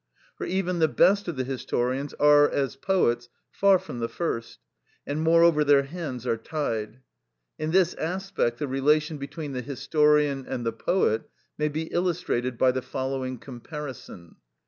For even the best of the historians are, as poets, far from the first; and moreover their hands are tied. In this aspect the relation between the historian and the poet may be illustrated by the following comparison.